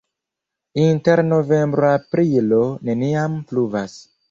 Inter novembro-aprilo neniam pluvas.